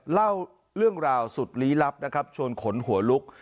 เล่าเรื่องราวสุดลี้ลับนะครับชวนขนหัวลุก